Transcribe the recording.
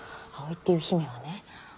葵っていう姫はね